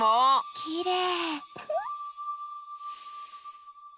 きれい。